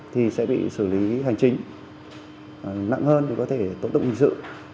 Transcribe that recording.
thì sẽ bị xử lý hành chính nặng hơn để có thể tổ tục hình sự